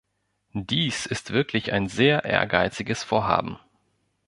Dies ist wirklich ein sehr ehrgeiziges Vorhaben.